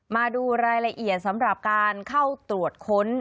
มาดูรายละเอียดสำหรับการเข้าตรวจค้น